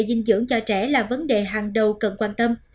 dinh dưỡng cho trẻ là vấn đề hàng đầu cần quan tâm